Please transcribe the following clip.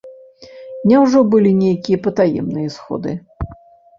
Няўжо былі нейкія патаемныя сходы?